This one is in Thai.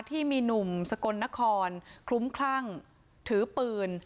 ที่มีหนุ่มสกลนครคลุ้มคลั่งถือปืน